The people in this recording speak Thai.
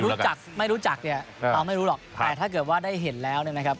รู้จักไม่รู้จักเนี่ยเราไม่รู้หรอกแต่ถ้าเกิดว่าได้เห็นแล้วเนี่ยนะครับ